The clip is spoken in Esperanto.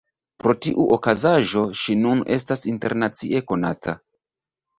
Pro tiu okazaĵo ŝi nun estas internacie konata.